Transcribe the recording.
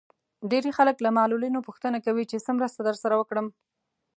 ډېری خلک له معلولينو پوښتنه کوي چې څه مرسته درسره وکړم.